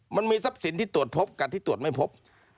มันมีทรัพย์สินที่ตรวจพบกับที่ตรวจไม่พบ